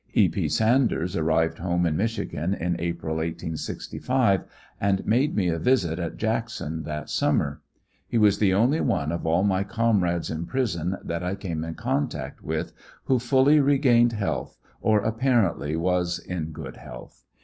E. P. Sanders arrived home in Michigan in April, 1865, and made me a visit at Jackson that Summer. He was the only one of all my comrades in prison that I came in contact with, who fully regained health, or apparently was in good health.